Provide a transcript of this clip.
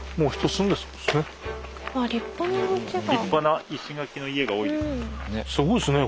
立派な石垣の家が多いですね。